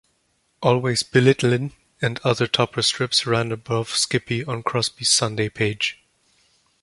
"Always Belittlin"' and other topper strips ran above "Skippy" on Crosby's Sunday page.